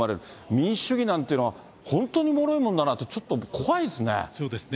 民主主義なんていうのは、本当にもろいもんだなって、ちょっと怖いですね。